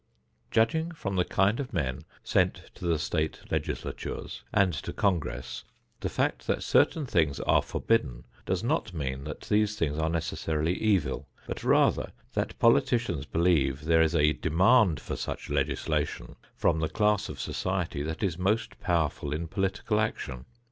Judging from the kind of men sent to the State legislatures and to Congress, the fact that certain things are forbidden does not mean that these things are necessarily evil; but rather, that politicians believe there is a demand for such legislation from the class of society that is most powerful in political action.